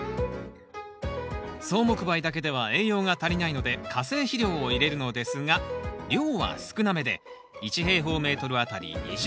草木灰だけでは栄養が足りないので化成肥料を入れるのですが量は少なめで１あたり２０ｇ。